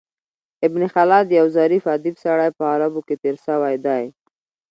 ابن خلاد یو ظریف ادیب سړی په عربو کښي تېر سوى دﺉ.